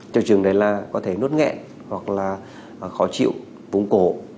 triệu chứng đấy là có thể nuốt nghẹn hoặc là khó chịu vùng cổ